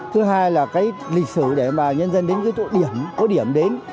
thứ hai là cái lịch sử để mà nhân dân đến cái chỗ điểm có điểm đến